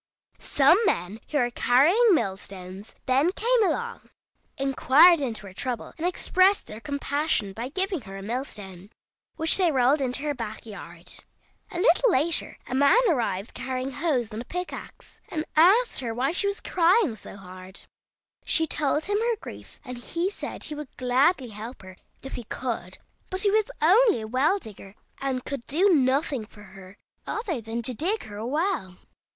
Some men who were carrying mill stones then came along, inquired into her trouble, and expressed their compassion by giving her a mill stone, which they rolled into her back yard. A little later a man arrived carrying hoes and pickax, and asked her why she was crying so hard. She told him her grief, and he said he would gladly help her if he could, but he was only a well digger, and could do nothing for her other than to dig her a well.